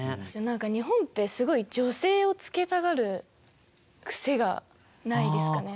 何か日本ってすごい「女性」を付けたがる癖がないですかね？